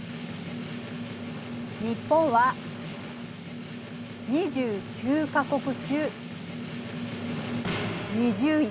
日本は２９か国中２０位。